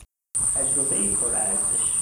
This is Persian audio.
تجربهای پر ارزش